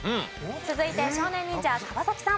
続いて少年忍者川さん。